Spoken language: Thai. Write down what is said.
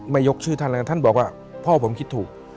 ยกชื่อท่านแล้วท่านบอกว่าพ่อผมคิดถูก